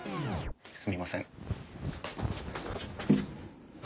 すみません。